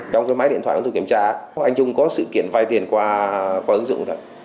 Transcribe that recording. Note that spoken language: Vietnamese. trong cái máy điện thoại của tôi kiểm tra anh trung có sự kiện vay tiền qua ứng dụng